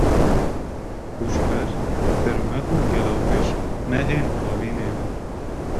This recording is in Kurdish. Pûşber, Tîrmeh û Gelawêj mehên havînê ne.